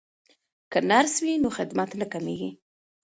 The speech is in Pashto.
که نرس وي نو خدمت نه کمیږي.